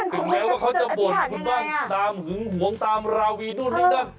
แต่แม้ว่าเขาจะบ่นบ้านคุณบ้างตามหึงหวงตามราวีดูดนิดนั้น